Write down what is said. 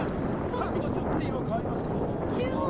角度によって色が変わりますけれども。